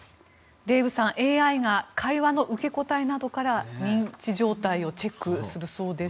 デーブさん、ＡＩが会話の受け答えなどから認知状態をチェックするそうです。